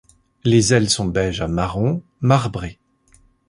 Les ailes sont beige à marron, marbrées.